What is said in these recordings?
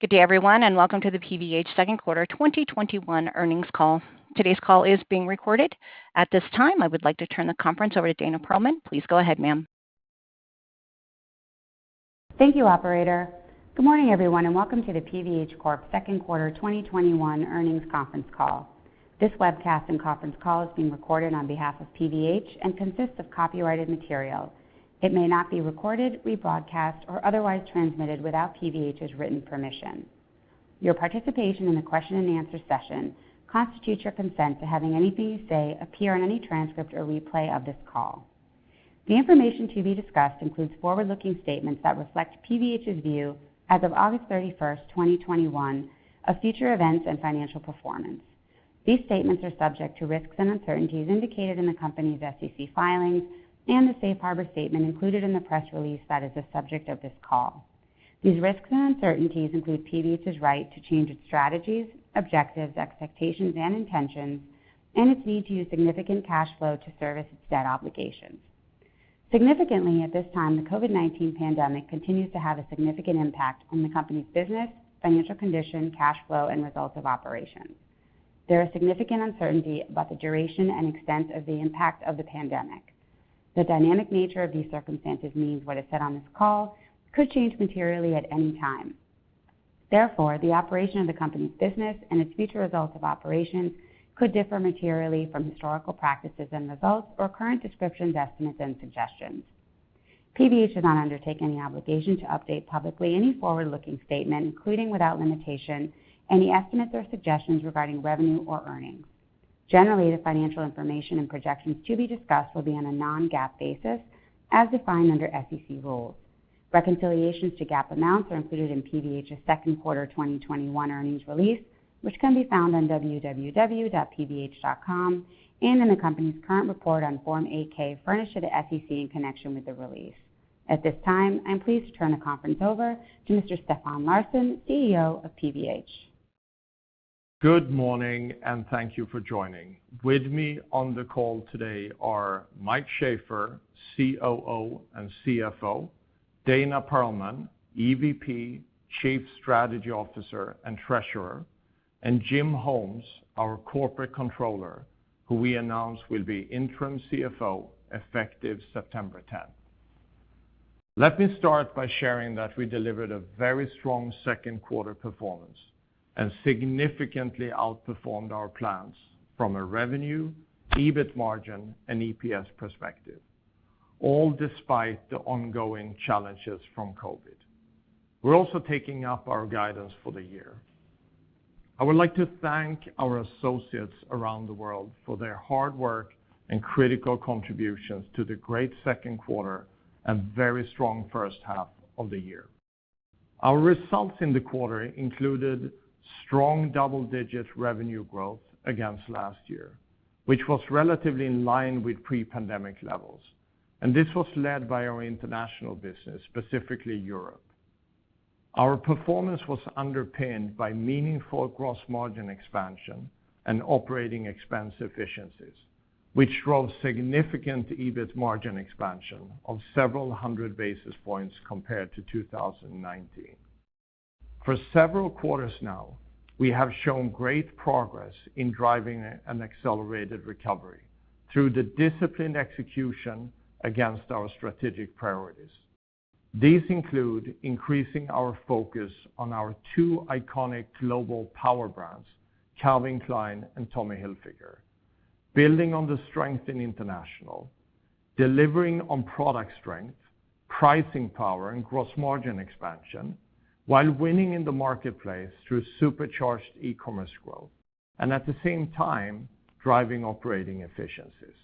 Good day, everyone, welcome to the PVH Q2 2021 earnings call. Today's call is being recorded. At this time, I would like to turn the conference over to Dana Perlman. Please go ahead, ma'am. Thank you, operator. Welcome to the PVH Corp. Q2 2021 earnings conference call. This webcast and conference call is being recorded on behalf of PVH and consists of copyrighted material. It may not be recorded, rebroadcast, or otherwise transmitted without PVH's written permission. Your participation in the question and answer session constitutes your consent to having anything you say appear in any transcript or replay of this call. The information to be discussed includes forward-looking statements that reflect PVH's view as of August 31st, 2021 of future events and financial performance. These statements are subject to risks and uncertainties indicated in the company's SEC filings and the safe harbor statement included in the press release that is the subject of this call. These risks and uncertainties include PVH's right to change its strategies, objectives, expectations, and intentions, and its need to use significant cash flow to service its debt obligations. Significantly, at this time, the COVID-19 pandemic continues to have a significant impact on the company's business, financial condition, cash flow, and results of operations. There is significant uncertainty about the duration and extent of the impact of the pandemic. The dynamic nature of these circumstances means what is said on this call could change materially at any time. Therefore, the operation of the company's business and its future results of operations could differ materially from historical practices and results or current descriptions, estimates, and suggestions. PVH does not undertake any obligation to update publicly any forward-looking statement, including, without limitation, any estimates or suggestions regarding revenue or earnings. Generally, the financial information and projections to be discussed will be on a non-GAAP basis as defined under SEC rules. Reconciliations to GAAP amounts are included in PVH's Q2 2021 earnings release, which can be found on www.pvh.com and in the company's current report on Form 8-K furnished to the SEC in connection with the release. At this time, I'm pleased to turn the conference over to Mr. Stefan Larsson, CEO of PVH. Good morning, and thank you for joining. With me on the call today are Mike Shaffer, COO and CFO, Dana Perlman, EVP, Chief Strategy Officer and Treasurer, and Jim Holmes, our Corporate Controller, who we announced will be interim CFO effective September 10th. Let me start by sharing that we delivered a very strong Q2 performance and significantly outperformed our plans from a revenue, EBIT margin, and EPS perspective, all despite the ongoing challenges from COVID. We're also taking up our guidance for the year. I would like to thank our associates around the world for their hard work and critical contributions to the great Q2 and very strong H1 of the year. Our results in the quarter included strong double-digit revenue growth against last year, which was relatively in line with pre-pandemic levels, and this was led by our international business, specifically Europe. Our performance was underpinned by meaningful gross margin expansion and operating expense efficiencies, which drove significant EBIT margin expansion of several hundred basis points compared to 2019. For several quarters now, we have shown great progress in driving an accelerated recovery through the disciplined execution against our strategic priorities. These include increasing our focus on our two iconic global power brands, Calvin Klein and Tommy Hilfiger, building on the strength in international, delivering on product strength, pricing power, and gross margin expansion while winning in the marketplace through supercharged e-commerce growth, and at the same time, driving operating efficiencies.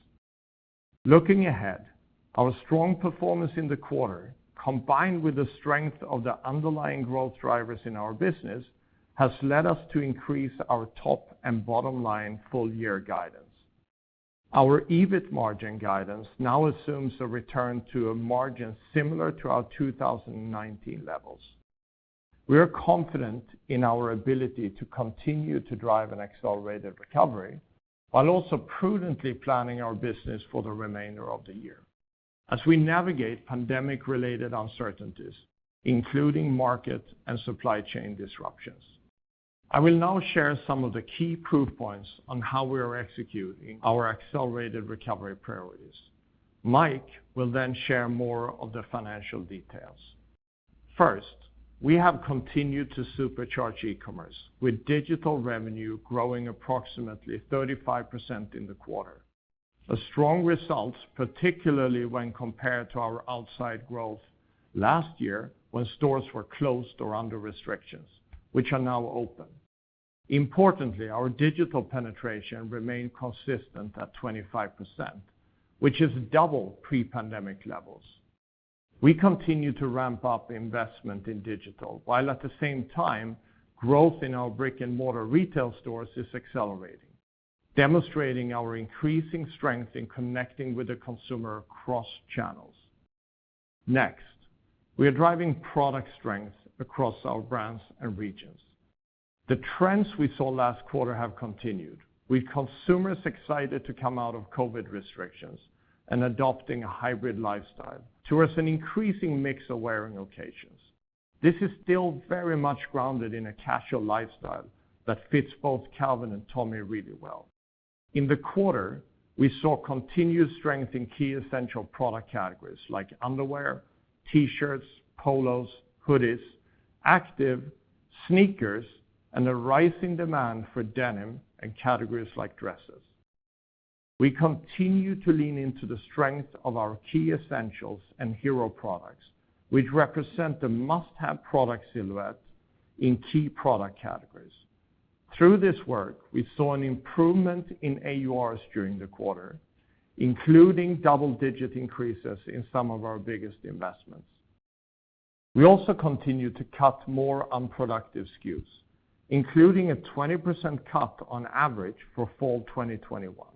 Looking ahead, our strong performance in the quarter, combined with the strength of the underlying growth drivers in our business, has led us to increase our top and bottom line full year guidance. Our EBIT margin guidance now assumes a return to a margin similar to our 2019 levels. We are confident in our ability to continue to drive an accelerated recovery while also prudently planning our business for the remainder of the year as we navigate pandemic-related uncertainties, including market and supply chain disruptions. I will now share some of the key proof points on how we are executing our accelerated recovery priorities. Mike will share more of the financial details. First, we have continued to supercharge e-commerce with digital revenue growing approximately 35% in the quarter. A strong result, particularly when compared to our outsized growth last year when stores were closed or under restrictions, which are now open. Importantly, our digital penetration remained consistent at 25%, which is double pre-pandemic levels. We continue to ramp up investment in digital, while at the same time, growth in our brick-and-mortar retail stores is accelerating, demonstrating our increasing strength in connecting with the consumer across channels. Next, we are driving product strength across our brands and regions. The trends we saw last quarter have continued, with consumers excited to come out of COVID-19 restrictions and adopting a hybrid lifestyle towards an increasing mix of wearing occasions. This is still very much grounded in a casual lifestyle that fits both Calvin and Tommy really well. In the quarter, we saw continued strength in key essential product categories like underwear, T-shirts, polos, hoodies, active, sneakers, and a rising demand for denim and categories like dresses. We continue to lean into the strength of our key essentials and hero products, which represent the must-have product silhouettes in key product categories. Through this work, we saw an improvement in AURs during the quarter, including double-digit increases in some of our biggest investments. We also continue to cut more unproductive SKUs, including a 20% cut on average for fall 2021.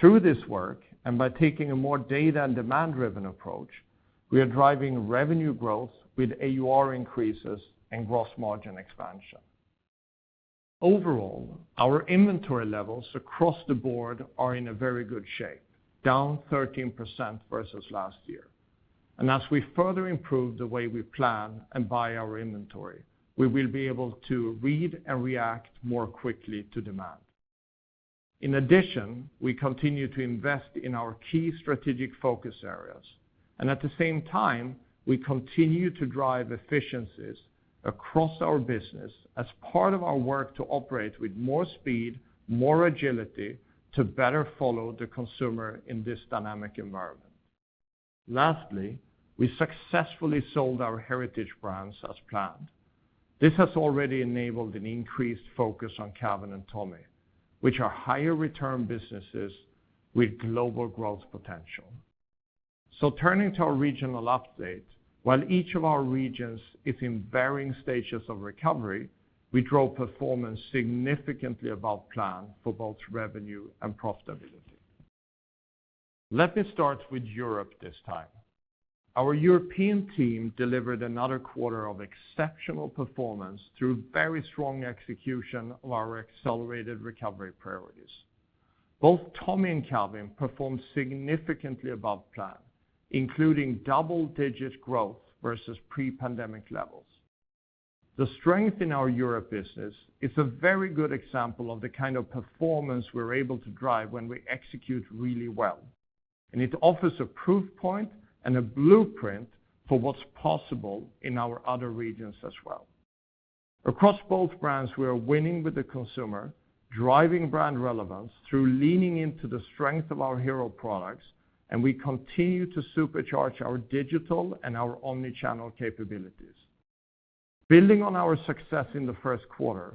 Through this work, by taking a more data and demand-driven approach, we are driving revenue growth with AUR increases and gross margin expansion. Overall, our inventory levels across the board are in a very good shape, down 13% versus last year. As we further improve the way we plan and buy our inventory, we will be able to read and react more quickly to demand. In addition, we continue to invest in our key strategic focus areas. At the same time, we continue to drive efficiencies across our business as part of our work to operate with more speed, more agility, to better follow the consumer in this dynamic environment. Lastly, we successfully sold our Heritage Brands as planned. This has already enabled an increased focus on Calvin and Tommy, which are higher return businesses with global growth potential. Turning to our regional update, while each of our regions is in varying stages of recovery, we drove performance significantly above plan for both revenue and profitability. Let me start with Europe this time. Our European team delivered another quarter of exceptional performance through very strong execution of our accelerated recovery priorities. Both Tommy and Calvin performed significantly above plan, including double-digit growth versus pre-pandemic levels. The strength in our Europe business is a very good example of the kind of performance we're able to drive when we execute really well, and it offers a proof point and a blueprint for what's possible in our other regions as well. Across both brands, we are winning with the consumer, driving brand relevance through leaning into the strength of our hero products, and we continue to supercharge our digital and our omni-channel capabilities. Building on our success in the Q1,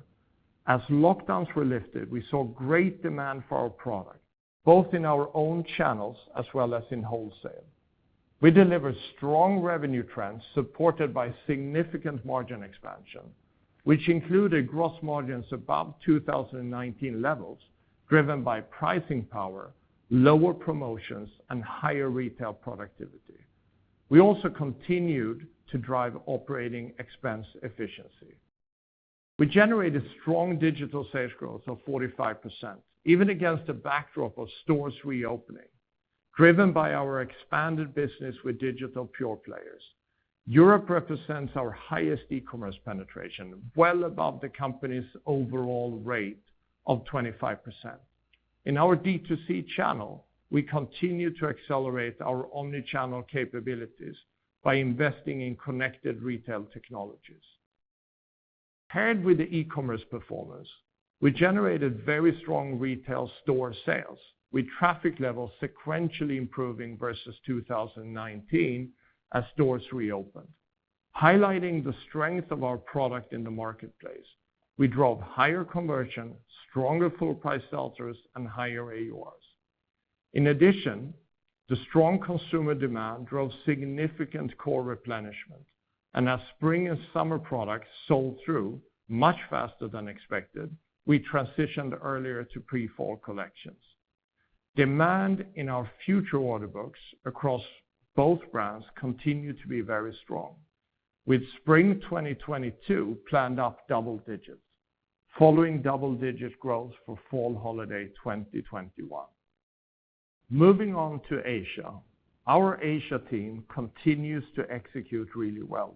as lockdowns were lifted, we saw great demand for our product, both in our own channels as well as in wholesale. We delivered strong revenue trends supported by significant margin expansion, which included gross margins above 2019 levels, driven by pricing power, lower promotions, and higher retail productivity. We also continued to drive operating expense efficiency. We generated strong digital sales growth of 45%, even against a backdrop of stores reopening, driven by our expanded business with digital pure players. Europe represents our highest e-commerce penetration, well above the company's overall rate of 25%. In our D2C channel, we continue to accelerate our omni-channel capabilities by investing in connected retail technologies. Paired with the e-commerce performance, we generated very strong retail store sales, with traffic levels sequentially improving versus 2019 as stores reopened. Highlighting the strength of our product in the marketplace, we drove higher conversion, stronger full price sell-throughs, and higher AURs. In addition, the strong consumer demand drove significant core replenishment, and as spring and summer products sold through much faster than expected, we transitioned earlier to pre-fall collections. Demand in our future order books across both brands continued to be very strong, with spring 2022 planned up double digits following double-digit growth for fall holiday 2021. Moving on to Asia. Our Asia team continues to execute really well.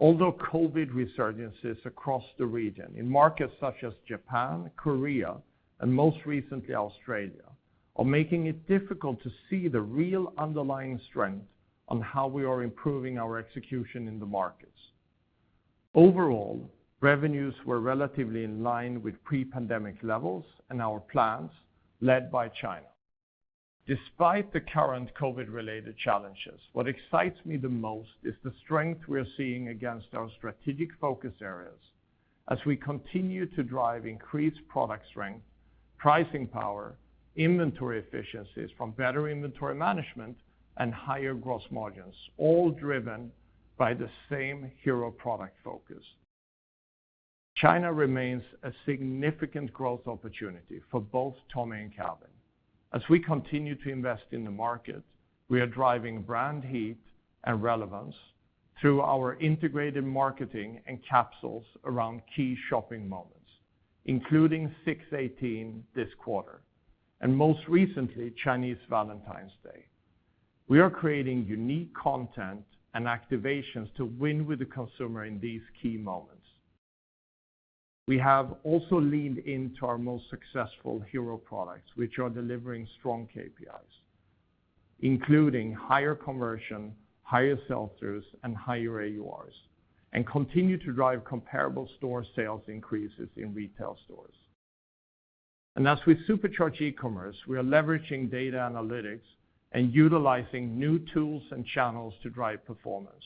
Although COVID resurgences across the region in markets such as Japan, Korea, and most recently, Australia, are making it difficult to see the real underlying strength on how we are improving our execution in the markets. Overall, revenues were relatively in line with pre-pandemic levels and our plans led by China. Despite the current COVID-19-related challenges, what excites me the most is the strength we are seeing against our strategic focus areas as we continue to drive increased product strength, pricing power, inventory efficiencies from better inventory management, and higher gross margins, all driven by the same hero product focus. China remains a significant growth opportunity for both Tommy and Calvin. As we continue to invest in the market, we are driving brand heat and relevance through our integrated marketing and capsules around key shopping moments, including 618 this quarter, and most recently, Chinese Valentine's Day. We are creating unique content and activations to win with the consumer in these key moments. We have also leaned into our most successful hero products, which are delivering strong KPIs, including higher conversion, higher sell-throughs, and higher AURs, and continue to drive comparable store sales increases in retail stores. As we supercharge e-commerce, we are leveraging data analytics and utilizing new tools and channels to drive performance.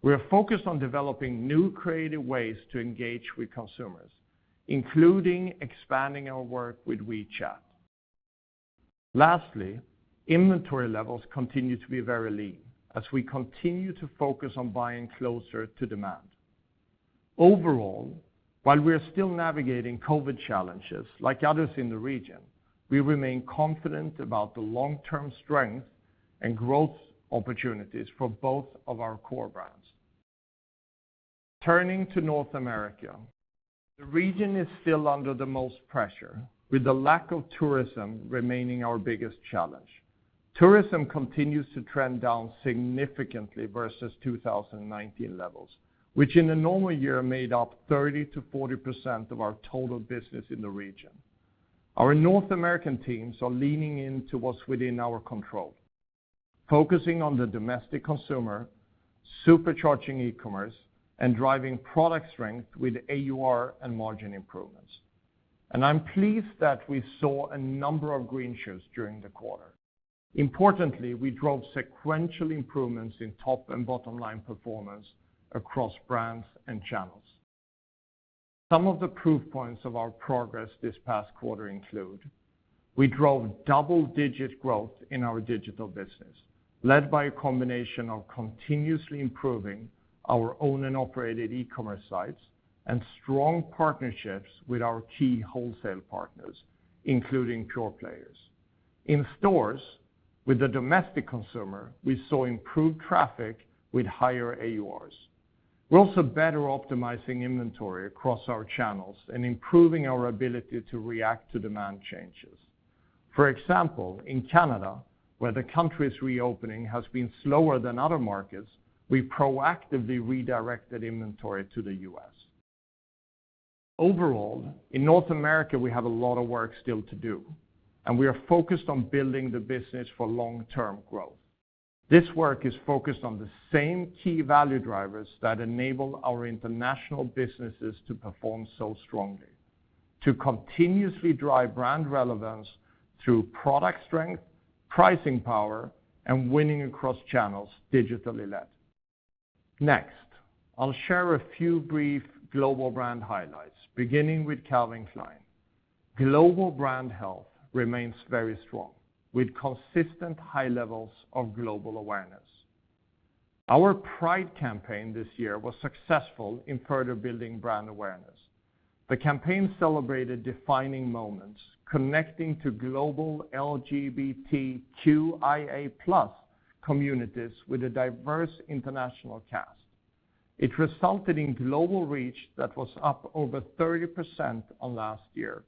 We are focused on developing new creative ways to engage with consumers, including expanding our work with WeChat. Lastly, inventory levels continue to be very lean as we continue to focus on buying closer to demand. Overall, while we are still navigating COVID challenges like others in the region, we remain confident about the long-term strength and growth opportunities for both of our core brands. Turning to North America, the region is still under the most pressure, with the lack of tourism remaining our biggest challenge. Tourism continues to trend down significantly versus 2019 levels, which in a normal year made up 30%-40% of our total business in the region. Our North American teams are leaning into what's within our control, focusing on the domestic consumer, supercharging e-commerce, and driving product strength with AUR and margin improvements. I'm pleased that we saw a number of green shoots during the quarter. Importantly, we drove sequential improvements in top and bottom-line performance across brands and channels. Some of the proof points of our progress this past quarter include, we drove double-digit growth in our digital business, led by a combination of continuously improving our owned and operated e-commerce sites and strong partnerships with our key wholesale partners, including pure players. In stores, with the domestic consumer, we saw improved traffic with higher AURs. We're also better optimizing inventory across our channels and improving our ability to react to demand changes. For example, in Canada, where the country's reopening has been slower than other markets, we proactively redirected inventory to the U.S. Overall, in North America, we have a lot of work still to do, and we are focused on building the business for long-term growth. This work is focused on the same key value drivers that enable our international businesses to perform so strongly, to continuously drive brand relevance through product strength, pricing power, and winning across channels, digitally led. Next, I'll share a few brief global brand highlights, beginning with Calvin Klein. Global brand health remains very strong, with consistent high levels of global awareness. Our Pride campaign this year was successful in further building brand awareness. The campaign celebrated defining moments, connecting to global LGBTQIA+ communities with a diverse international cast. It resulted in global reach that was up over 30% on last year.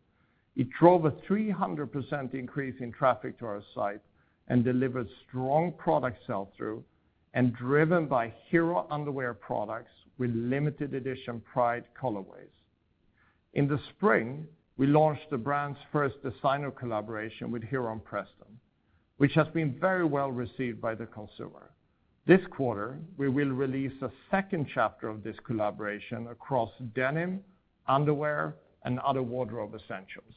It drove a 300% increase in traffic to our site and delivered strong product sell-through and driven by hero underwear products with limited edition Pride colorways. In the spring, we launched the brand's first designer collaboration with Heron Preston, which has been very well received by the consumer. This quarter, we will release a second chapter of this collaboration across denim, underwear, and other wardrobe essentials.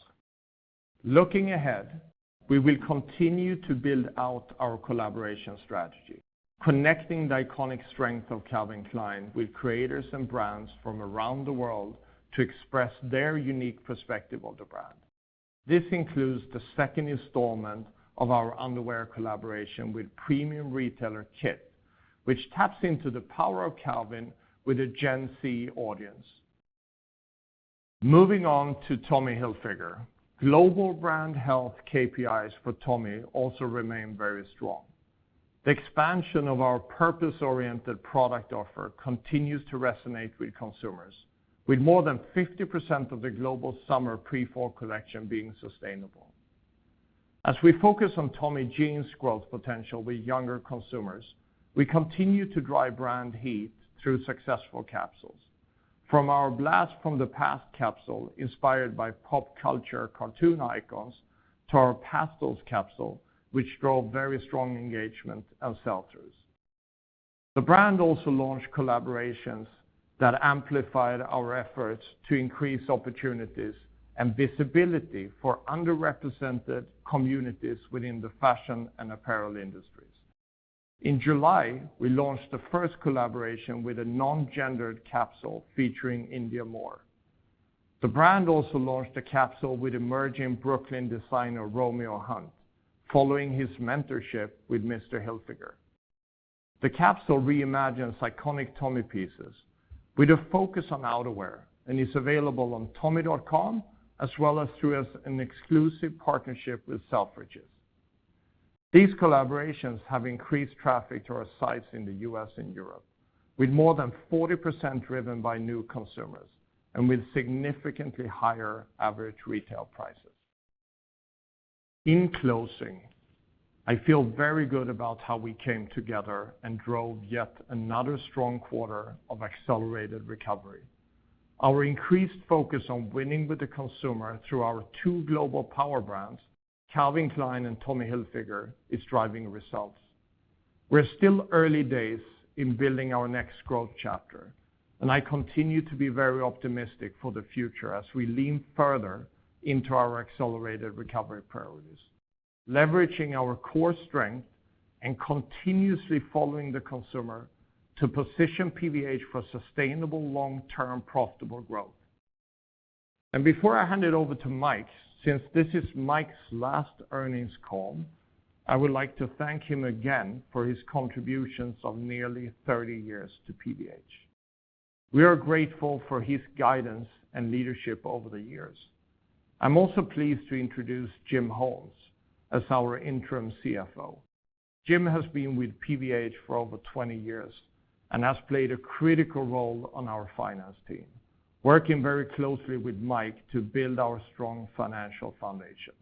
Looking ahead, we will continue to build out our collaboration strategy, connecting the iconic strength of Calvin Klein with creators and brands from around the world to express their unique perspective of the brand. This includes the second installment of our underwear collaboration with premium retailer Kith, which taps into the power of Calvin with a Gen Z audience. Moving on to Tommy Hilfiger. Global brand health KPIs for Tommy also remain very strong. The expansion of our purpose-oriented product offer continues to resonate with consumers, with more than 50% of the global summer Pre-Fall collection being sustainable. As we focus on Tommy Jeans' growth potential with younger consumers, we continue to drive brand heat through successful capsules. From our Blast from the Past capsule inspired by pop culture cartoon icons, to our Pastels capsule, which drove very strong engagement and sell-throughs. The brand also launched collaborations that amplified our efforts to increase opportunities and visibility for underrepresented communities within the fashion and apparel industries. In July, we launched the first collaboration with a non-gendered capsule featuring Indya Moore. The brand also launched a capsule with emerging Brooklyn designer Romeo Hunte, following his mentorship with Mr. Hilfiger. The capsule reimagines iconic Tommy pieces with a focus on outerwear and is available on tommy.com as well as through an exclusive partnership with Selfridges. These collaborations have increased traffic to our sites in the U.S. and Europe, with more than 40% driven by new consumers and with significantly higher average retail prices. In closing, I feel very good about how we came together and drove yet another strong quarter of accelerated recovery. Our increased focus on winning with the consumer through our two global power brands, Calvin Klein and Tommy Hilfiger, is driving results. We're still early days in building our next growth chapter, I continue to be very optimistic for the future as we lean further into our accelerated recovery priorities, leveraging our core strength and continuously following the consumer to position PVH for sustainable long-term profitable growth. Before I hand it over to Mike, since this is Mike's last earnings call, I would like to thank him again for his contributions of nearly 30 years to PVH. We are grateful for his guidance and leadership over the years. I'm also pleased to introduce Jim Holmes as our interim CFO. Jim has been with PVH for over 20 years and has played a critical role on our finance team, working very closely with Mike Shaffer to build our strong financial foundation.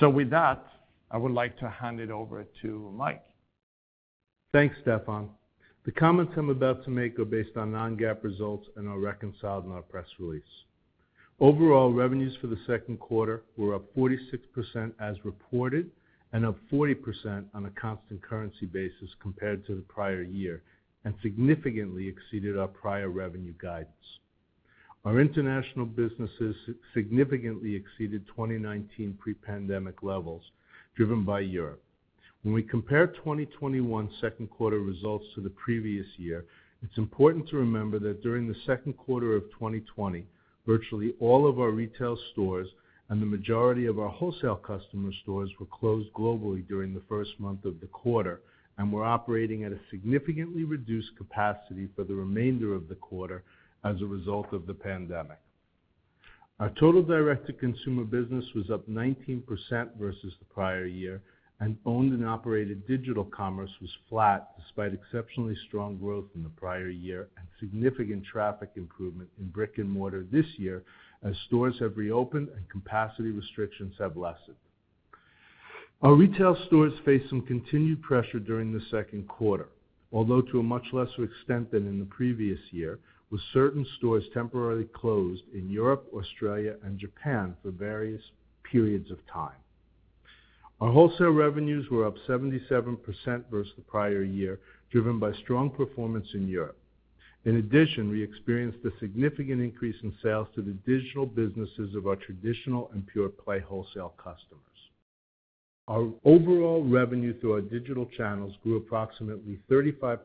With that, I would like to hand it over to Michael Shaffer. Thanks, Stefan. The comments I'm about to make are based on non-GAAP results and are reconciled in our press release. Overall, revenues for the Q2 were up 46% as reported and up 40% on a constant currency basis compared to the prior year and significantly exceeded our prior revenue guidance. Our international businesses significantly exceeded 2019 pre-pandemic levels, driven by Europe. When we compare 2021 Q2 results to the previous year, it's important to remember that during the Q2 of 2020, virtually all of our retail stores and the majority of our wholesale customer stores were closed globally during the first month of the quarter and were operating at a significantly reduced capacity for the remainder of the quarter as a result of the pandemic. Our total direct-to-consumer business was up 19% versus the prior year, and owned and operated digital commerce was flat despite exceptionally strong growth in the prior year and significant traffic improvement in brick and mortar this year as stores have reopened and capacity restrictions have lessened. Our retail stores faced some continued pressure during the Q2, although to a much lesser extent than in the previous year, with certain stores temporarily closed in Europe, Australia, and Japan for various periods of time. Our wholesale revenues were up 77% versus the prior year, driven by strong performance in Europe. In addition, we experienced a significant increase in sales to the digital businesses of our traditional and pure-play wholesale customers. Our overall revenue through our digital channels grew approximately 35%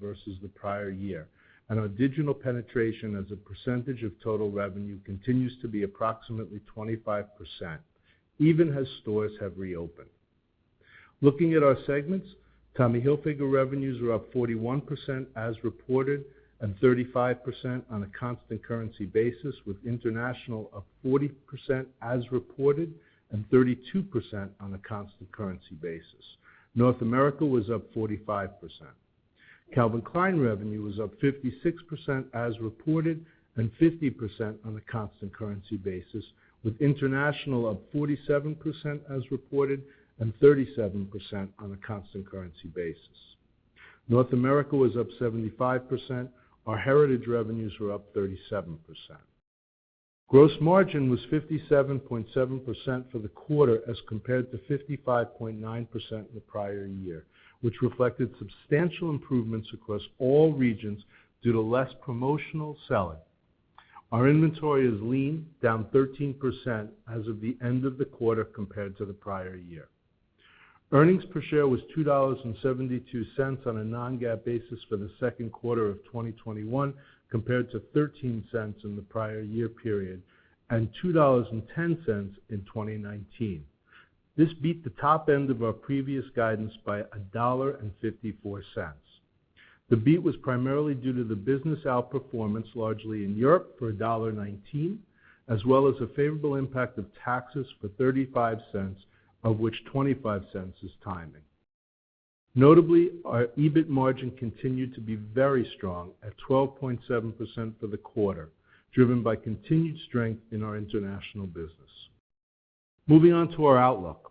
versus the prior year, and our digital penetration as a percentage of total revenue continues to be approximately 25%, even as stores have reopened. Looking at our segments, Tommy Hilfiger revenues were up 41% as reported and 35% on a constant currency basis, with international up 40% as reported and 32% on a constant currency basis. North America was up 45%. Calvin Klein revenue was up 56% as reported and 50% on a constant currency basis, with international up 47% as reported and 37% on a constant currency basis. North America was up 75%. Our Heritage revenues were up 37%. Gross margin was 57.7% for the quarter as compared to 55.9% in the prior year, which reflected substantial improvements across all regions due to less promotional selling. Our inventory is lean, down 13% as of the end of the quarter compared to the prior year. Earnings per share was $2.72 on a non-GAAP basis for the Q2 of 2021 compared to $0.13 in the prior year period and $2.10 in 2019. This beat the top end of our previous guidance by $1.54. The beat was primarily due to the business outperformance largely in Europe for $1.19, as well as a favorable impact of taxes for $0.35, of which $0.25 is timing. Notably, our EBIT margin continued to be very strong at 12.7% for the quarter, driven by continued strength in our international business. Moving on to our outlook.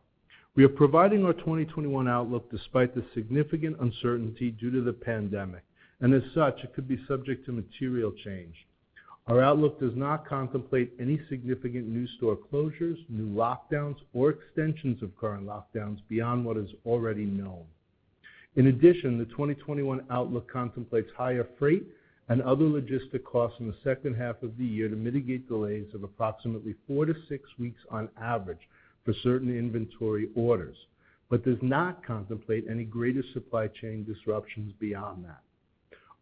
We are providing our 2021 outlook despite the significant uncertainty due to the pandemic, and as such, it could be subject to material change. Our outlook does not contemplate any significant new store closures, new lockdowns, or extensions of current lockdowns beyond what is already known. The 2021 outlook contemplates higher freight and other logistic costs in the H2 of the year to mitigate delays of approximately four to six weeks on average for certain inventory orders, but does not contemplate any greater supply chain disruptions beyond that.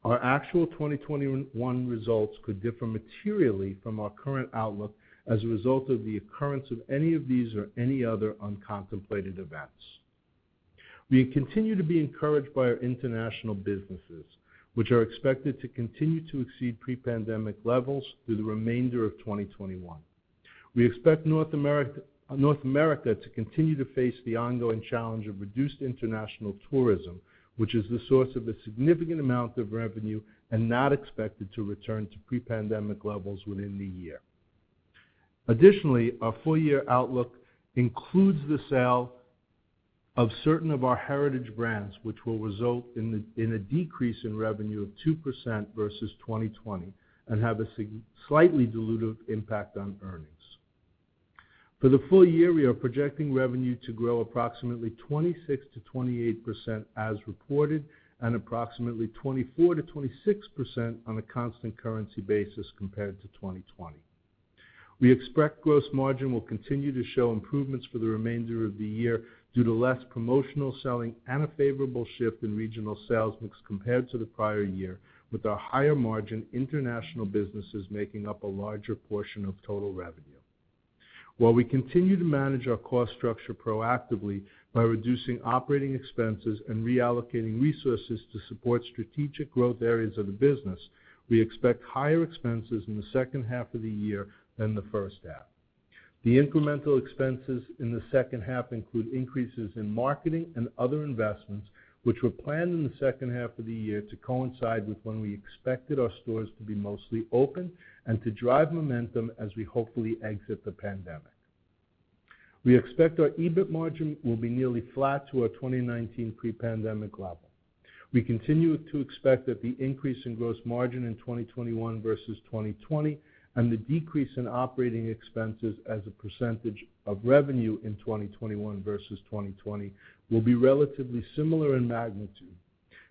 Our actual 2021 results could differ materially from our current outlook as a result of the occurrence of any of these or any other uncontemplated events. We continue to be encouraged by our international businesses, which are expected to continue to exceed pre-pandemic levels through the remainder of 2021. We expect North America to continue to face the ongoing challenge of reduced international tourism, which is the source of a significant amount of revenue and not expected to return to pre-pandemic levels within the year. Additionally, our full-year outlook includes the sale of certain of our Heritage Brands, which will result in a decrease in revenue of 2% versus 2020 and have a slightly dilutive impact on earnings. For the full year, we are projecting revenue to grow approximately 26%-28% as reported and approximately 24%-26% on a constant currency basis compared to 2020. We expect gross margin will continue to show improvements for the remainder of the year due to less promotional selling and a favorable shift in regional sales mix compared to the prior year with our higher margin international businesses making up a larger portion of total revenue. While we continue to manage our cost structure proactively by reducing operating expenses and reallocating resources to support strategic growth areas of the business, we expect higher expenses in the H2 of the year than the H1. The incremental expenses in the H2 include increases in marketing and other investments, which were planned in the H2 of the year to coincide with when we expected our stores to be mostly open and to drive momentum as we hopefully exit the pandemic. We expect our EBIT margin will be nearly flat to our 2019 pre-pandemic level. We continue to expect that the increase in gross margin in 2021 versus 2020 and the decrease in operating expenses as a percentage of revenue in 2021 versus 2020 will be relatively similar in magnitude.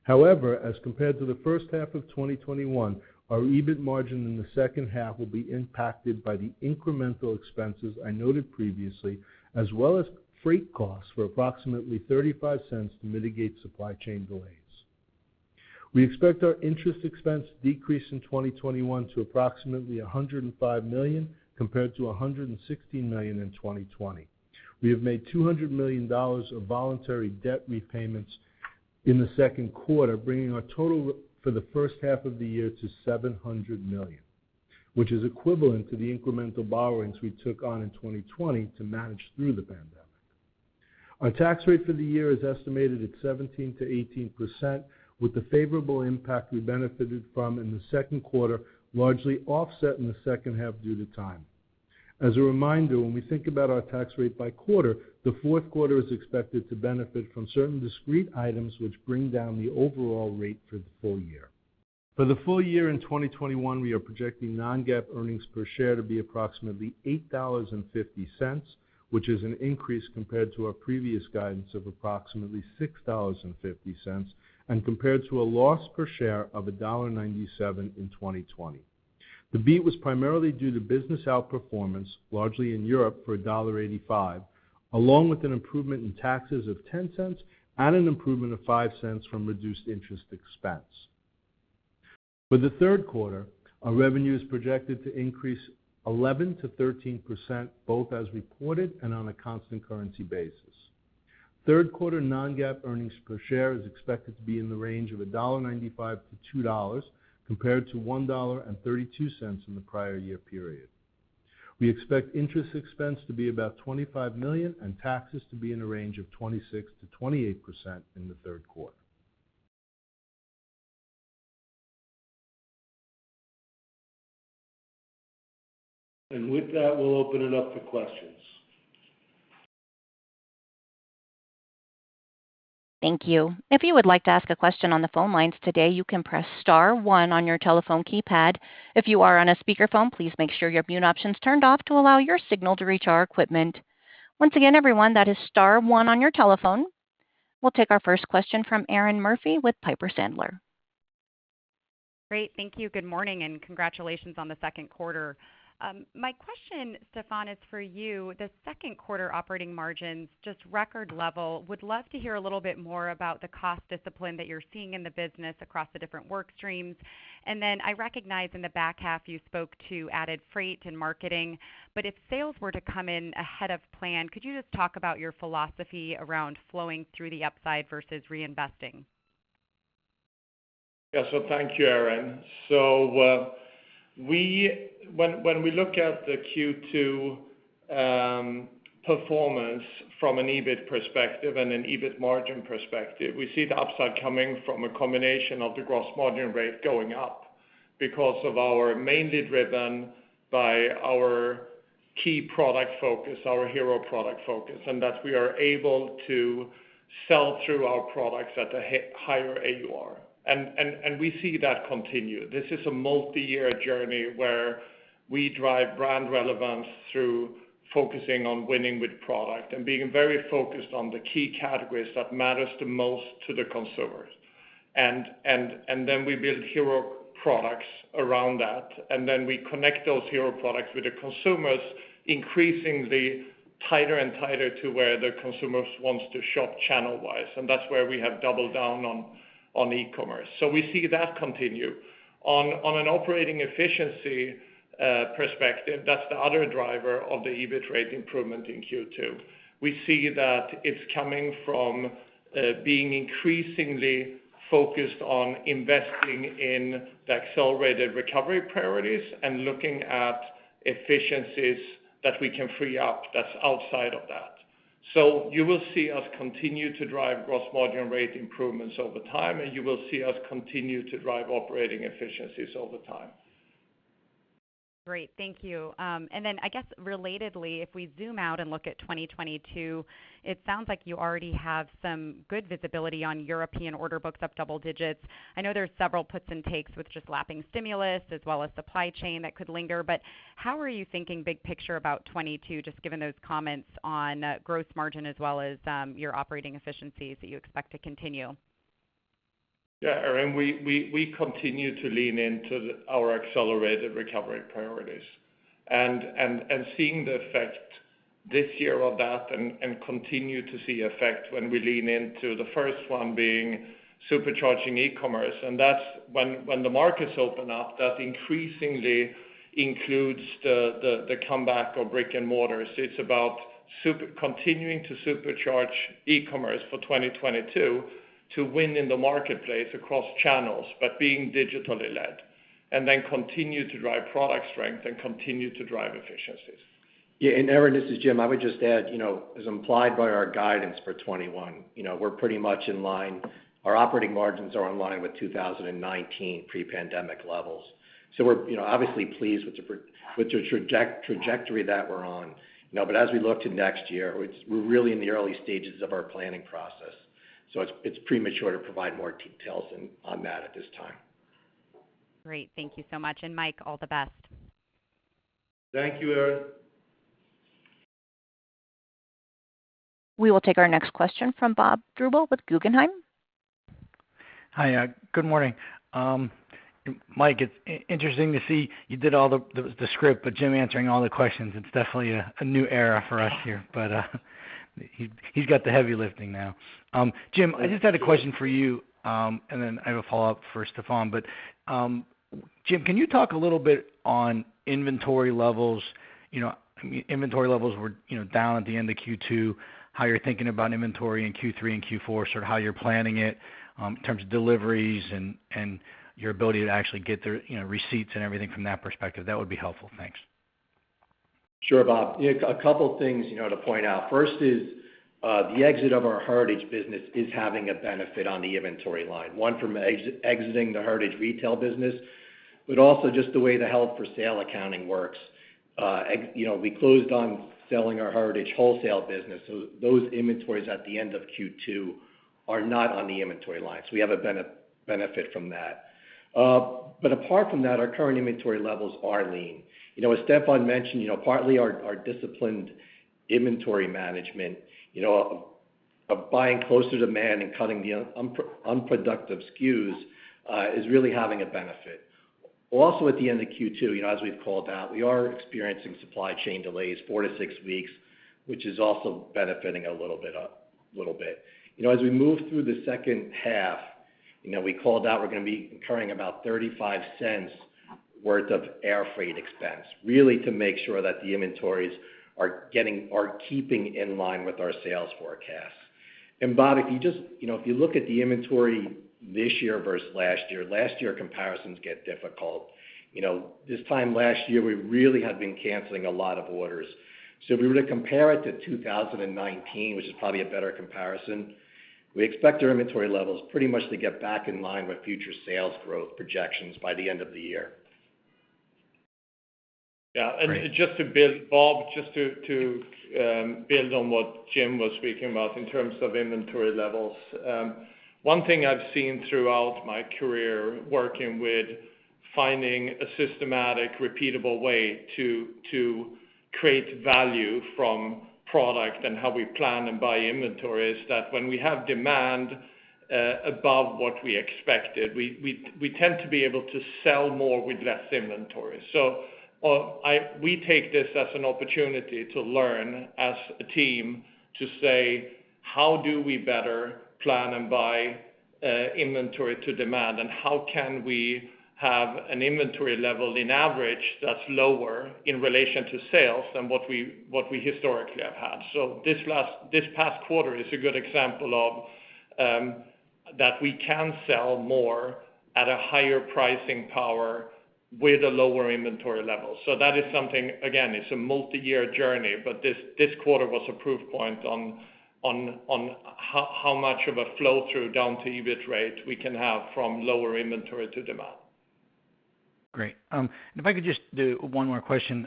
However, as compared to the H1 of 2021, our EBIT margin in the H2 will be impacted by the incremental expenses I noted previously, as well as freight costs were approximately $0.35 to mitigate supply chain delays. We expect our interest expense decrease in 2021 to approximately $105 million compared to $116 million in 2020. We have made $200 million of voluntary debt repayments in the Q2, bringing our total for the H1 of the year to $700 million, which is equivalent to the incremental borrowings we took on in 2020 to manage through the pandemic. Our tax rate for the year is estimated at 17%-18%, with the favorable impact we benefited from in the Q2 largely offset in the H2 due to timing. As a reminder, when we think about our tax rate by quarter, the Q4 is expected to benefit from certain discrete items, which bring down the overall rate for the full year. For the full year in 2021, we are projecting non-GAAP earnings per share to be approximately $8.50, which is an increase compared to our previous guidance of approximately $6.50, and compared to a loss per share of $1.97 in 2020. The beat was primarily due to business outperformance, largely in Europe for $1.85, along with an improvement in taxes of $0.10 and an improvement of $0.05 from reduced interest expense. For the Q3, our revenue is projected to increase 11%-13%, both as reported and on a constant currency basis. Q3 non-GAAP earnings per share is expected to be in the range of $1.95-$2.00, compared to $1.32 in the prior year period. We expect interest expense to be about $25 million and taxes to be in a range of 26%-28% in the Q3. With that, we'll open it up to questions. Thank you. If you would like to ask a question on the phone lines today, you can press star one on your telephone keypad. If you are on a speakerphone, please make sure your mute option is turned off to allow your signal to reach our equipment. Once again, everyone, that is star one on your telephone. We will take our first question from Erinn Murphy with Piper Sandler. Great. Thank you. Good morning, and congratulations on the Q2. My question, Stefan, is for you. The Q2 operating margins, just record level. Would love to hear a little bit more about the cost discipline that you're seeing in the business across the different work streams. Then I recognize in the back half you spoke to added freight and marketing, but if sales were to come in ahead of plan, could you just talk about your philosophy around flowing through the upside versus reinvesting? Yeah. Thank you, Erinn. When we look at the Q2 performance from an EBIT perspective and an EBIT margin perspective, we see the upside coming from a combination of the gross margin rate going up because of our mainly driven by our key product focus, our hero product focus, and that we are able to sell through our products at a higher AUR. We see that continue. This is a multi-year journey where we drive brand relevance through focusing on winning with product and being very focused on the key categories that matters the most to the consumers. We build hero products around that, we connect those hero products with the consumers increasingly. Tighter and tighter to where the consumers wants to shop channel-wise, and that's where we have doubled down on e-commerce. We see that continue. On an operating efficiency perspective, that's the other driver of the EBIT rate improvement in Q2. We see that it's coming from being increasingly focused on investing in the accelerated recovery priorities and looking at efficiencies that we can free up that's outside of that. You will see us continue to drive gross margin rate improvements over time, and you will see us continue to drive operating efficiencies over time. Great. Thank you. I guess relatedly, if we zoom out and look at 2022, it sounds like you already have some good visibility on European order books up double digits. I know there's several puts and takes with just lapping stimulus as well as supply chain that could linger. How are you thinking big picture about 2022, just given those comments on growth margin as well as your operating efficiencies that you expect to continue? Yeah, Erinn, we continue to lean into our accelerated recovery priorities and seeing the effect this year of that and continue to see effect when we lean into the first one being supercharging e-commerce. When the markets open up, that increasingly includes the comeback of brick and mortars. It's about continuing to supercharge e-commerce for 2022 to win in the marketplace across channels, but being digitally led. Then continue to drive product strength and continue to drive efficiencies. Yeah. Erinn, this is Jim. I would just add, as implied by our guidance for 2021, we're pretty much in line. Our operating margins are in line with 2019 pre-pandemic levels. We're obviously pleased with the trajectory that we're on. As we look to next year, we're really in the early stages of our planning process, so it's premature to provide more details on that at this time. Great. Thank you so much. Mike, all the best. Thank you, Erinn. We will take our next question from Bob Drbul with Guggenheim. Hi. Good morning. Mike, it's interesting to see you did all the script, Jim answering all the questions. It's definitely a new era for us here, he's got the heavy lifting now. Jim, I just had a question for you, I have a follow-up for Stefan. Jim, can you talk a little bit on inventory levels? Inventory levels were down at the end of Q2. How you're thinking about inventory in Q3 and Q4, how you're planning it in terms of deliveries and your ability to actually get the receipts and everything from that perspective. That would be helpful. Thanks. Sure, Bob. A couple of things to point out. First is, the exit of our Heritage Brands is having a benefit on the inventory line. One, from exiting the Heritage Brands retail business, also just the way the held for sale accounting works. We closed on selling our Heritage Brands wholesale business. Those inventories at the end of Q2 are not on the inventory line. We have a benefit from that. Apart from that, our current inventory levels are lean. As Stefan mentioned, partly our disciplined inventory management, buying closer to demand and cutting the unproductive SKUs, is really having a benefit. Also at the end of Q2, as we've called out, we are experiencing supply chain delays 4-6 weeks, which is also benefiting a little bit. As we move through the H2, we called out we're going to be incurring about $0.35 worth of air freight expense, really to make sure that the inventories are keeping in line with our sales forecasts. Bob Drbul, if you look at the inventory this year versus last year, last year comparisons get difficult. This time last year, we really had been canceling a lot of orders. If we were to compare it to 2019, which is probably a better comparison, we expect our inventory levels pretty much to get back in line with future sales growth projections by the end of the year. Yeah. Bob Drbul, just to build on what Jim was speaking about in terms of inventory levels. One thing I've seen throughout my career working with finding a systematic, repeatable way to create value from product and how we plan and buy inventory is that when we have demand above what we expected, we tend to be able to sell more with less inventory. We take this as an opportunity to learn as a team to say, how do we better plan and buy inventory to demand? How can we have an inventory level in average that's lower in relation to sales than what we historically have had? This past quarter is a good example of that we can sell more at a higher pricing power with a lower inventory level. That is something, again, it's a multiyear journey, but this quarter was a proof point on how much of a flow-through down to EBIT rate we can have from lower inventory to demand. Great. If I could just do one more question.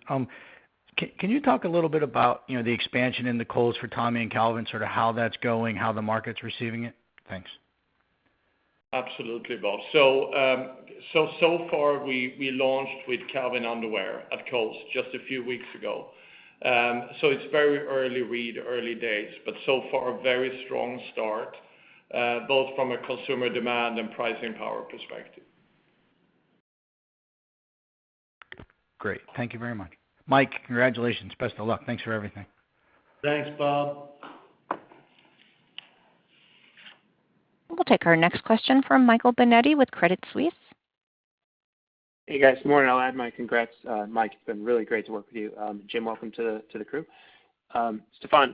Can you talk a little bit about the expansion in the Kohl's for Tommy and Calvin, how that's going, how the market's receiving it? Thanks. Absolutely, Bob. So far we launched with Calvin underwear at Kohl's just a few weeks ago. It's very early read, early days, but so far a very strong start, both from a consumer demand and pricing power perspective. Great. Thank you very much. Mike, congratulations. Best of luck. Thanks for everything. Thanks, Bob. We'll take our next question from Michael Binetti with Credit Suisse. Hey, guys. Good morning. I'll add my congrats. Mike, it's been really great to work with you. Jim, welcome to the crew. Stefan,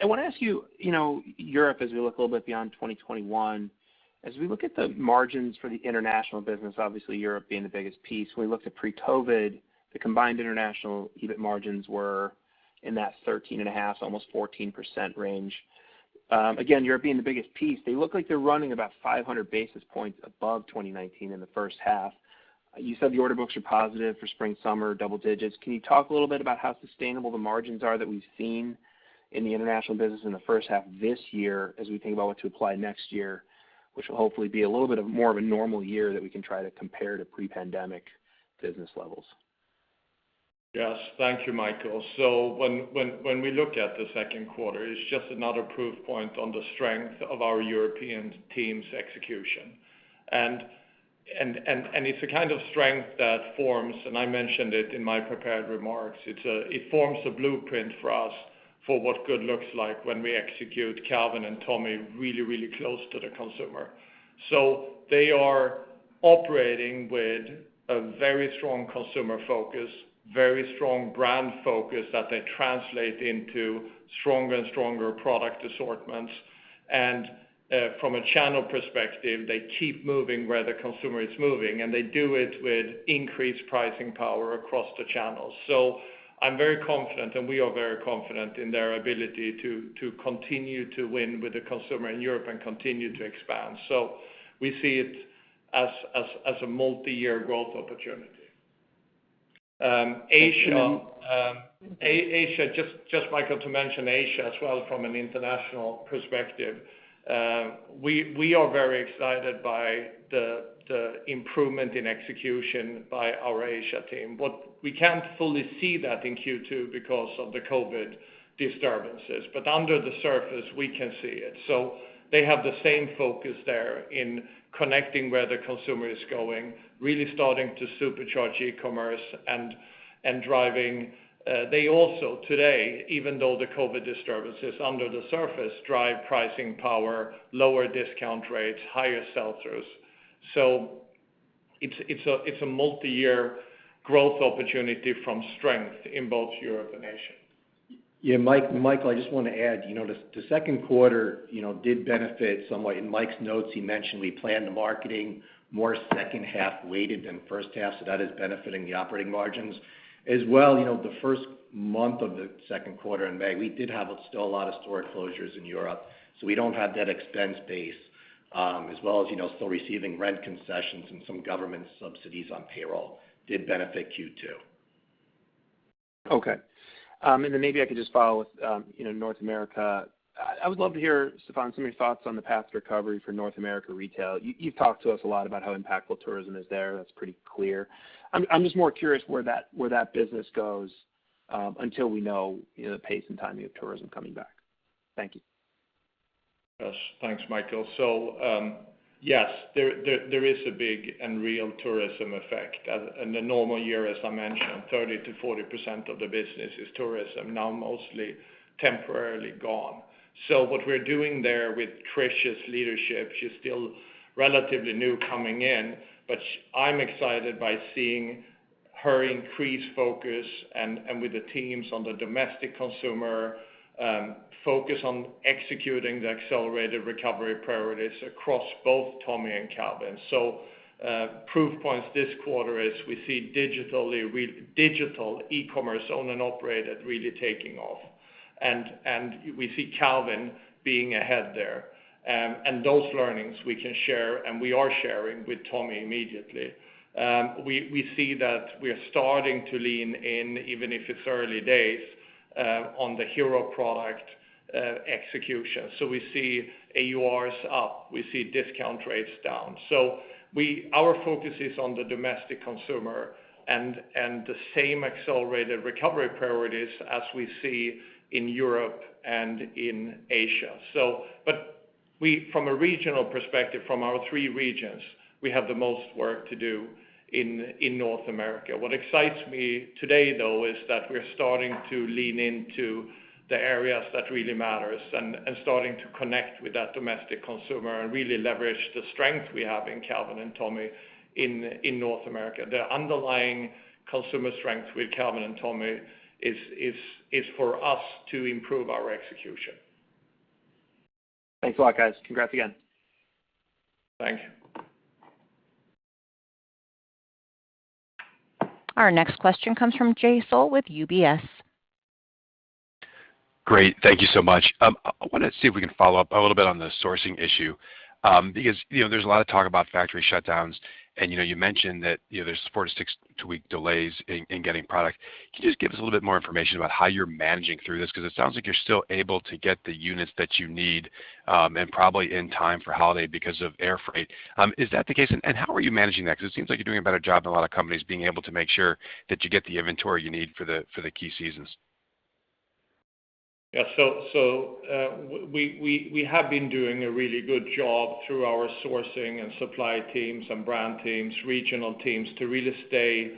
I want to ask you, Europe, as we look a little bit beyond 2021, as we look at the margins for the international business, obviously Europe being the biggest piece, when we looked at pre-COVID-19, the combined international EBIT margins were in that 13.5%, almost 14% range. Again, Europe being the biggest piece, they look like they're running about 500 basis points above 2019 in the H1. You said the order books are positive for spring, summer, double digits. Can you talk a little bit about how sustainable the margins are that we've seen in the international business in the H1 of this year as we think about what to apply next year, which will hopefully be a little bit of more of a normal year that we can try to compare to pre-pandemic business levels? Yes. Thank you, Michael. When we look at the Q2, it's just another proof point on the strength of our European team's execution. It's a kind of strength that forms, and I mentioned it in my prepared remarks, it forms a blueprint for us for what good looks like when we execute Calvin and Tommy really, really close to the consumer. They are operating with a very strong consumer focus, very strong brand focus that they translate into stronger and stronger product assortments. From a channel perspective, they keep moving where the consumer is moving, and they do it with increased pricing power across the channels. I'm very confident, and we are very confident in their ability to continue to win with the consumer in Europe and continue to expand. We see it as a multi-year growth opportunity. Asia, just, Michael, to mention Asia as well from an international perspective. We are very excited by the improvement in execution by our Asia team. We can't fully see that in Q2 because of the COVID disturbances, but under the surface, we can see it. They have the same focus there in connecting where the consumer is going, really starting to supercharge e-commerce and driving. They also, today, even though the COVID disturbance is under the surface, drive pricing power, lower discount rates, higher sell-throughs. It's a multi-year growth opportunity from strength in both Europe and Asia. Michael, I just want to add, the Q2 did benefit somewhat. In Michael Shaffer's notes, he mentioned we planned the marketing more H2 weighted than H1, that is benefiting the operating margins as well. The first month of the Q2 in May, we did have still a lot of store closures in Europe, we don't have that expense base, as well as, still receiving rent concessions and some government subsidies on payroll did benefit 2Q. Okay. Maybe I could just follow with North America. I would love to hear, Stefan, some of your thoughts on the path to recovery for North America retail. You've talked to us a lot about how impactful tourism is there. That's pretty clear. I'm just more curious where that business goes until we know the pace and timing of tourism coming back. Thank you. Yes. Thanks, Michael. Yes, there is a big and real tourism effect. In the normal year, as I mentioned, 30%-40% of the business is tourism, now mostly temporarily gone. What we're doing there with Trish's leadership, she's still relatively new coming in, but I'm excited by seeing her increased focus and with the teams on the domestic consumer, focus on executing the accelerated recovery priorities across both Tommy and Calvin. Proof points this quarter is we see digital e-commerce owned and operated really taking off. We see Calvin being ahead there. Those learnings we can share, and we are sharing with Tommy immediately. We see that we are starting to lean in, even if it's early days, on the hero product execution. We see AURs up, we see discount rates down. Our focus is on the domestic consumer and the same accelerated recovery priorities as we see in Europe and in Asia. From a regional perspective, from our three regions, we have the most work to do in North America. What excites me today, though, is that we are starting to lean into the areas that really matters and starting to connect with that domestic consumer and really leverage the strength we have in Calvin and Tommy in North America. The underlying consumer strength with Calvin and Tommy is for us to improve our execution. Thanks a lot, guys. Congrats again. Thank you. Our next question comes from Jay Sole with UBS. Great. Thank you so much. I wanted to see if we can follow up a little bit on the sourcing issue. Because there's a lot of talk about factory shutdowns, and you mentioned that there's 4-6 week delays in getting product. Can you just give us a little bit more information about how you're managing through this? Because it sounds like you're still able to get the units that you need, and probably in time for holiday because of air freight. Is that the case, and how are you managing that? Because it seems like you're doing a better job than a lot of companies being able to make sure that you get the inventory you need for the key seasons. Yeah. We have been doing a really good job through our sourcing and supply teams and brand teams, regional teams, to really stay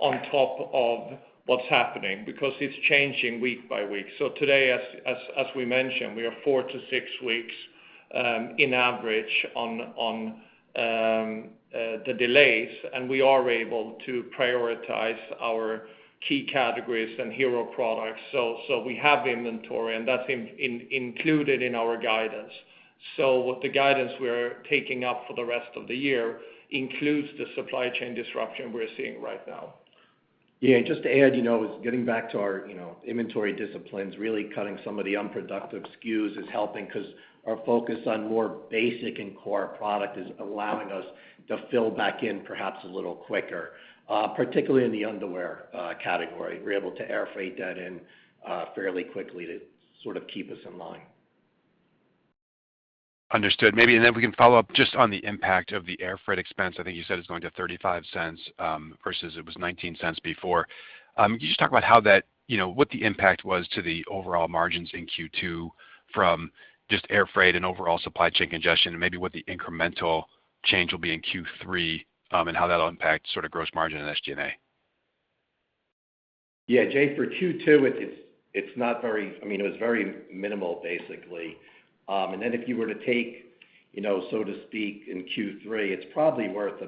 on top of what's happening, because it's changing week by week. Today, as we mentioned, we are 4-6 weeks, in average, on the delays, and we are able to prioritize our key categories and hero products. We have inventory, and that's included in our guidance. The guidance we're taking up for the rest of the year includes the supply chain disruption we're seeing right now. Yeah, just to add, getting back to our inventory disciplines, really cutting some of the unproductive SKUs is helping, because our focus on more basic and core product is allowing us to fill back in perhaps a little quicker, particularly in the underwear category. We're able to air freight that in fairly quickly to sort of keep us in line. Understood. Maybe, and then we can follow up just on the impact of the air freight expense. I think you said it's going to $0.35, versus it was $0.19 before. Can you just talk about what the impact was to the overall margins in Q2 from just air freight and overall supply chain congestion, and maybe what the incremental change will be in Q3, and how that'll impact sort of gross margin and SG&A? Yeah, Jay, for Q2, it was very minimal, basically. Then if you were to take, so to speak, in Q3, it's probably worth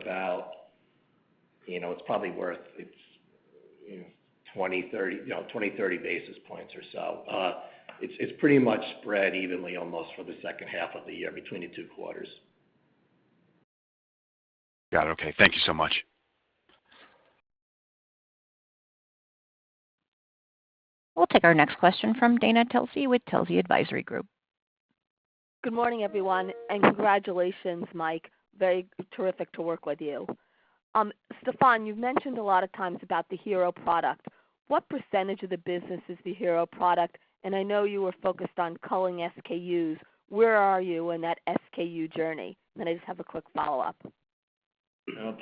20, 30 basis points or so. It's pretty much spread evenly almost for the H2 of the year between the two quarters. Got it. Okay. Thank you so much. We'll take our next question from Dana Telsey with Telsey Advisory Group. Good morning, everyone. Congratulations, Mike. Very terrific to work with you. Stefan, you've mentioned a lot of times about the hero product. What % of the business is the hero product? I know you were focused on culling SKUs. Where are you in that SKU journey? I just have a quick follow-up. Well,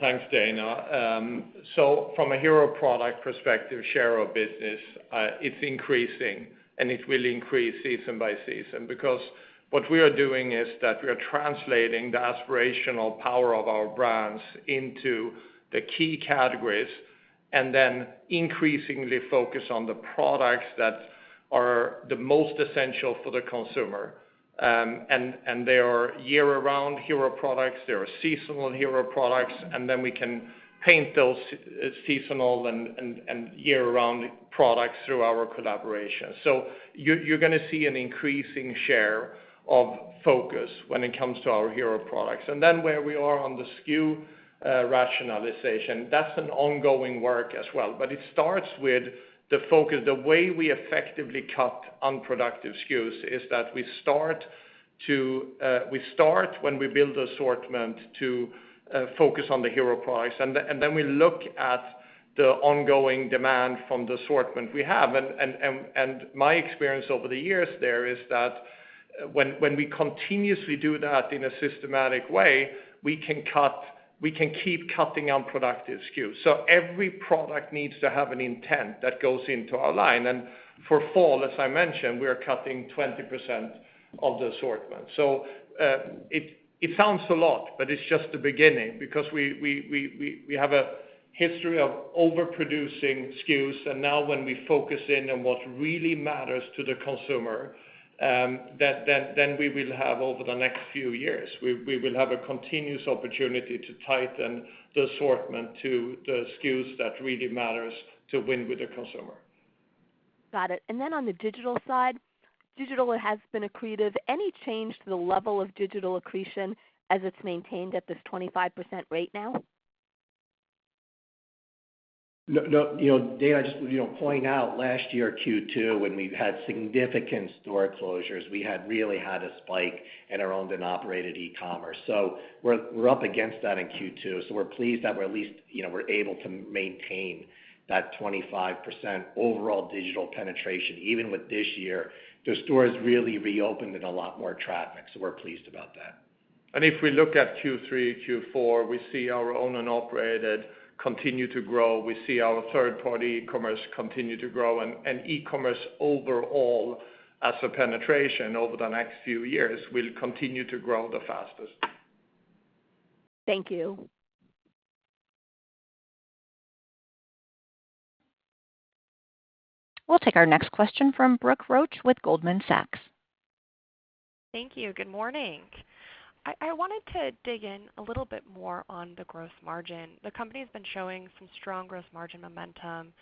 thanks, Dana. From a hero product perspective, share of business, it's increasing, and it will increase season by season, because what we are doing is that we are translating the aspirational power of our brands into the key categories, and then increasingly focus on the products that are the most essential for the consumer. There are year-round hero products, there are seasonal hero products, and then we can paint those seasonal and year-round products through our collaboration. You're going to see an increasing share of focus when it comes to our hero products. Where we are on the SKU rationalization, that's an ongoing work as well. It starts with the focus. The way we effectively cut unproductive SKUs is that we start, when we build assortment, to focus on the hero products, and then we look at the ongoing demand from the assortment we have. My experience over the years there is that when we continuously do that in a systematic way, we can keep cutting unproductive SKUs. Every product needs to have an intent that goes into our line. For fall, as I mentioned, we are cutting 20% of the assortment. It sounds a lot, but it's just the beginning, because we have a history of overproducing SKUs. Now when we focus in on what really matters to the consumer, then we will have over the next few years, we will have a continuous opportunity to tighten the assortment to the SKUs that really matters to win with the consumer. Got it. On the digital side, digital has been accretive. Any change to the level of digital accretion as it's maintained at this 25% rate now? Dana, I'll just point out last year, Q2, when we had significant store closures, we had really had a spike in our owned and operated e-commerce. We're up against that in Q2, so we're pleased that we're at least able to maintain that 25% overall digital penetration, even with this year. The stores really reopened with a lot more traffic, we're pleased about that. If we look at Q3, Q4, we see our owned and operated continue to grow. We see our third-party e-commerce continue to grow. E-commerce overall, as a penetration over the next few years, will continue to grow the fastest. Thank you. We'll take our next question from Brooke Roach with Goldman Sachs. Thank you. Good morning. I wanted to dig in a little bit more on the gross margin. The company has been showing some strong gross margin momentum,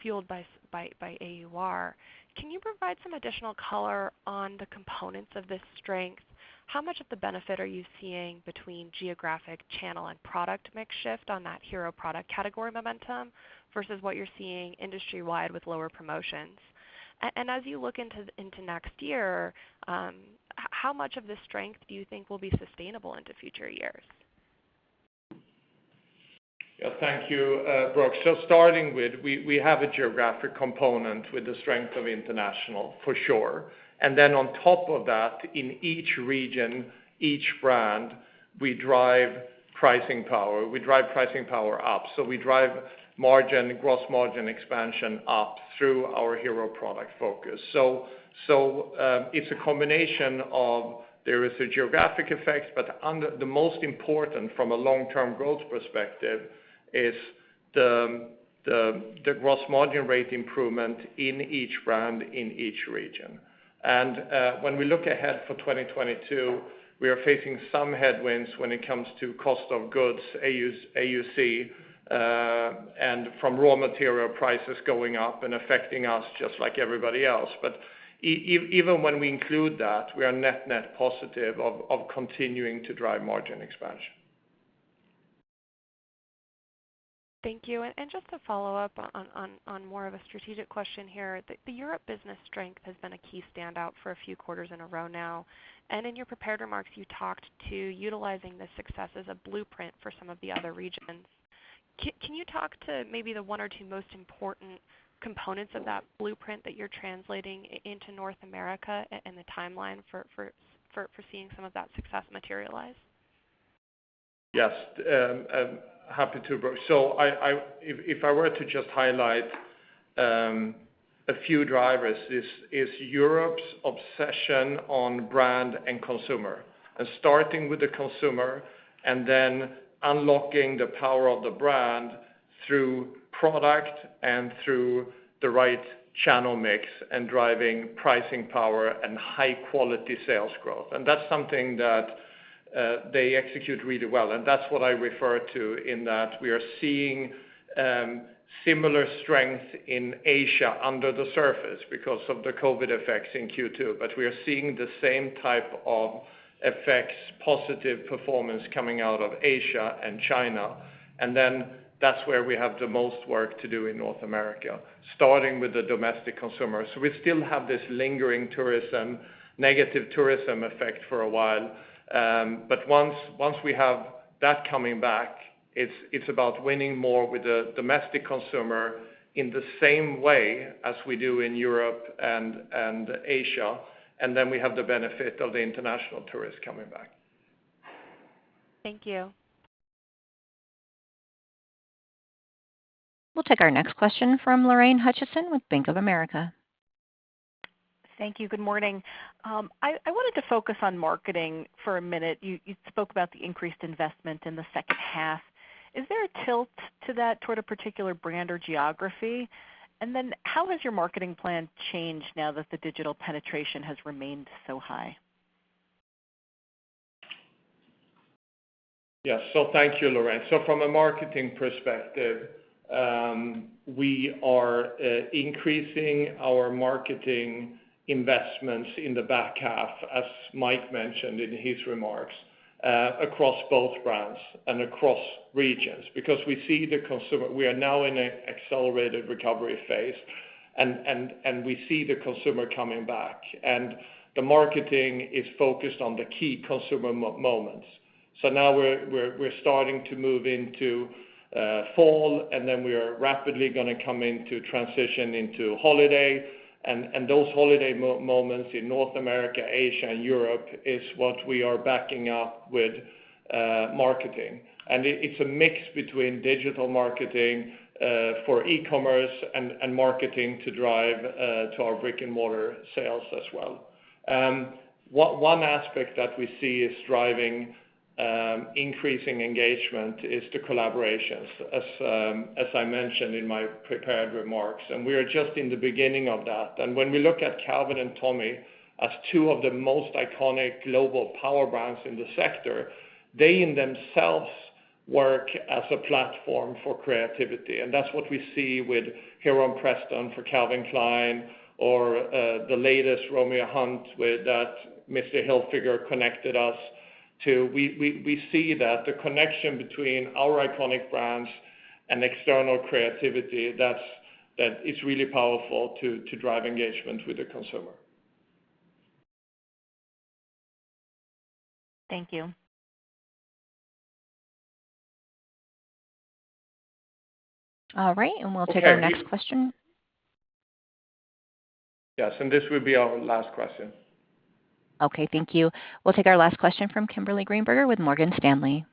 fueled by AUR. Can you provide some additional color on the components of this strength? How much of the benefit are you seeing between geographic channel and product mix shift on that hero product category momentum, versus what you're seeing industry-wide with lower promotions? As you look into next year, how much of this strength do you think will be sustainable into future years? Yeah. Thank you, Brooke. Starting with, we have a geographic component with the strength of international, for sure. Then on top of that, in each region, each brand, we drive pricing power up. We drive gross margin expansion up through our hero product focus. It's a combination of, there is a geographic effect, but the most important from a long-term growth perspective is the gross margin rate improvement in each brand, in each region. When we look ahead for 2022, we are facing some headwinds when it comes to cost of goods, AUC, and from raw material prices going up and affecting us just like everybody else. Even when we include that, we are net positive of continuing to drive margin expansion. Thank you. Just to follow up on more of a strategic question here. The Europe business strength has been a key standout for a few quarters in a row now, and in your prepared remarks, you talked to utilizing the success as a blueprint for some of the other regions. Can you talk to maybe the one or two most important components of that blueprint that you're translating into North America and the timeline for seeing some of that success materialize? Yes, happy to, Brooke. If I were to just highlight a few drivers is Europe's obsession on brand and consumer, and starting with the consumer, and then unlocking the power of the brand through product and through the right channel mix and driving pricing power and high-quality sales growth. That's something that they execute really well, and that's what I refer to in that we are seeing similar strength in Asia under the surface because of the COVID effects in Q2. We are seeing the same type of effects, positive performance coming out of Asia and China. That's where we have the most work to do in North America, starting with the domestic consumer. We still have this lingering negative tourism effect for a while. Once we have that coming back, it's about winning more with the domestic consumer in the same way as we do in Europe and Asia. Then we have the benefit of the international tourist coming back. Thank you. We'll take our next question from Lorraine Hutchinson with Bank of America. Thank you. Good morning. I wanted to focus on marketing for a minute. You spoke about the increased investment in the H2. Is there a tilt to that toward a particular brand or geography? How has your marketing plan changed now that the digital penetration has remained so high? Yes. Thank you, Lorraine. From a marketing perspective, we are increasing our marketing investments in the back half, as Mike mentioned in his remarks, across both brands and across regions because we are now in a accelerated recovery phase, and we see the consumer coming back, and the marketing is focused on the key consumer moments. Now we're starting to move into fall, and then we are rapidly going to come into transition into holiday, and those holiday moments in North America, Asia, and Europe is what we are backing up with marketing. It's a mix between digital marketing for e-commerce and marketing to drive to our brick-and-mortar sales as well. One aspect that we see is driving increasing engagement is the collaborations, as I mentioned in my prepared remarks, and we are just in the beginning of that. When we look at Calvin and Tommy as two of the most iconic global power brands in the sector, they in themselves work as a platform for creativity. That's what we see with Heron Preston for Calvin Klein or the latest, Romeo Hunte, that Tommy Hilfiger connected us to. We see that the connection between our iconic brands and external creativity, that it's really powerful to drive engagement with the consumer. Thank you. All right, we'll take our next question. Yes, this will be our last question. Okay. Thank you. We'll take our last question from Kimberly Greenberger with Morgan Stanley.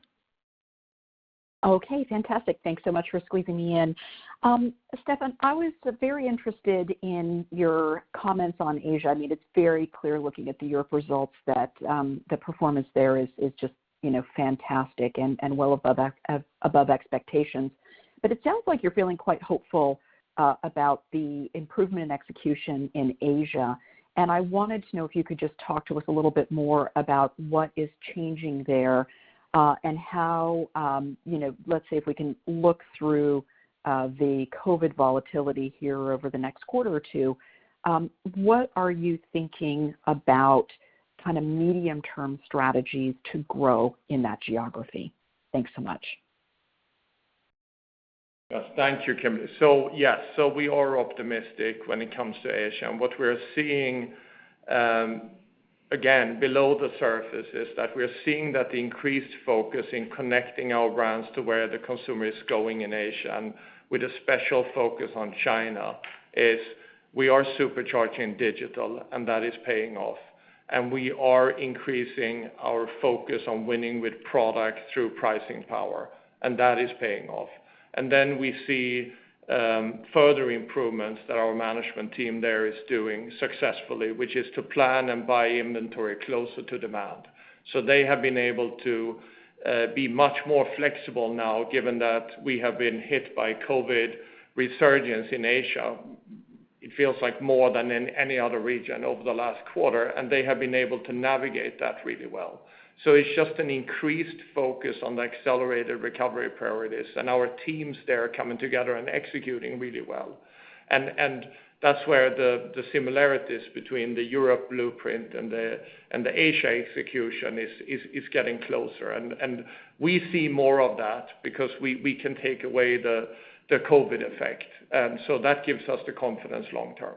Okay, fantastic. Thanks so much for squeezing me in. Stefan, I was very interested in your comments on Asia. It's very clear looking at the Europe results that the performance there is just fantastic and well above expectations. It sounds like you're feeling quite hopeful about the improvement in execution in Asia. I wanted to know if you could just talk to us a little bit more about what is changing there, and how, let's say if we can look through the COVID volatility here over the next quarter or two, what are you thinking about medium-term strategies to grow in that geography? Thanks so much. Yes. Thank you, Kimberly. Yes, we are optimistic when it comes to Asia, and what we're seeing, again, below the surface is that we're seeing that the increased focus in connecting our brands to where the consumer is going in Asia, with a special focus on China, is we are supercharging digital, and that is paying off. We are increasing our focus on winning with product through pricing power, and that is paying off. We see further improvements that our management team there is doing successfully, which is to plan and buy inventory closer to demand. They have been able to be much more flexible now, given that we have been hit by COVID-19 resurgence in Asia, it feels like more than in any other region over the last quarter, and they have been able to navigate that really well. It's just an increased focus on the accelerated recovery priorities, and our teams there are coming together and executing really well. That's where the similarities between the Europe blueprint and the Asia execution is getting closer. We see more of that because we can take away the COVID effect. That gives us the confidence long term.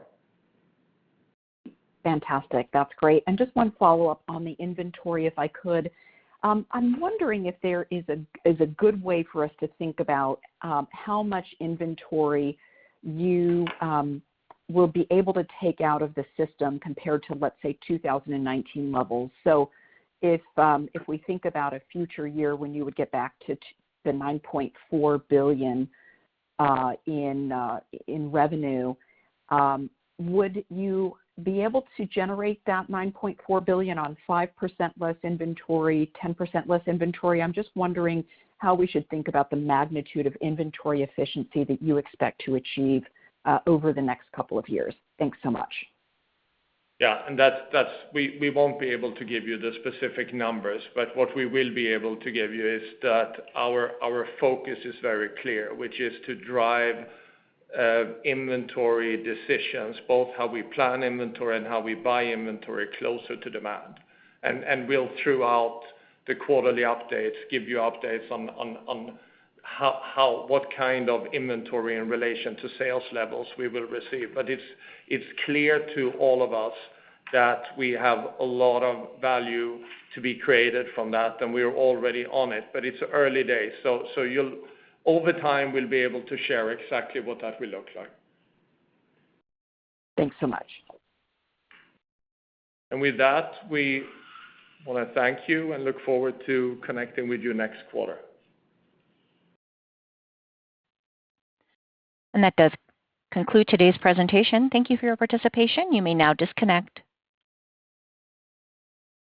Fantastic. That's great. Just one follow-up on the inventory, if I could. I'm wondering if there is a good way for us to think about how much inventory you will be able to take out of the system compared to, let's say, 2019 levels. If we think about a future year when you would get back to the $9.4 billion in revenue, would you be able to generate that $9.4 billion on 5% less inventory, 10% less inventory? I'm just wondering how we should think about the magnitude of inventory efficiency that you expect to achieve over the next couple of years. Thanks so much. Yeah. We won't be able to give you the specific numbers, but what we will be able to give you is that our focus is very clear, which is to drive inventory decisions, both how we plan inventory and how we buy inventory closer to demand. We'll, throughout the quarterly updates, give you updates on what kind of inventory in relation to sales levels we will receive. It's clear to all of us that we have a lot of value to be created from that, and we are already on it. It's early days, so over time, we'll be able to share exactly what that will look like. Thanks so much. With that, we want to thank you and look forward to connecting with you next quarter. That does conclude today's presentation. Thank you for your participation. You may now disconnect.